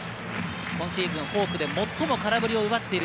今シーズン最もフォークで空振りを奪っている。